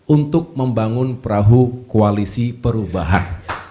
untuk membangun perahu koalisi perubahan